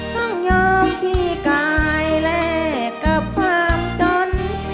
ต้องยอมพี่กายแลกกับความจน